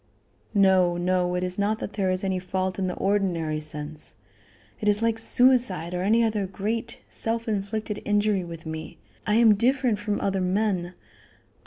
"No, no; it is not that there is any fault in the ordinary sense; it is like suicide or any other great, self inflicted injury with me. I am different from other men.